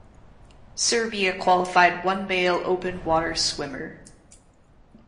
Serbia qualified one male open water swimmer.